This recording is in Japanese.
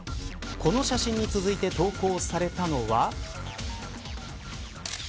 この写真に続いて投稿されたのは。